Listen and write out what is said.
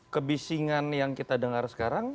kebisingan yang kita dengar sekarang